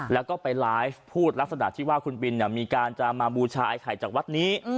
แล้วก็ไปไลฟ์พูดลักษณะที่ว่าคุณบินมีการจะมาบูชาไอ้ไข่จากวัดนี้